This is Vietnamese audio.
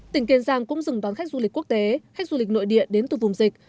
tỉnh kiên giang cũng dừng đón khách du lịch quốc tế khách du lịch nội địa đến từ vùng dịch